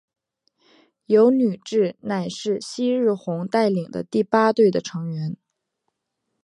油女志乃是夕日红带领的第八队的成员。